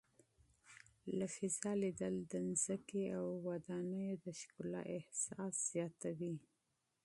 له فضا لیدل د ځمکې او ودانیو د ښکلا احساس زیاتوي.